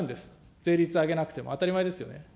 税率上げなくても、当たり前ですよね。